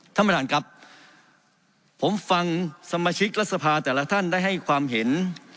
ท่านประธานครับผมฟังสมาชิกรัฐสภาแต่ละท่านได้ให้ความเห็น